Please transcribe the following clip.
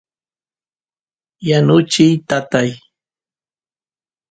yanuchiy tata